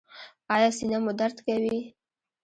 ایا سینه مو درد کوي؟